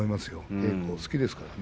稽古好きですからね。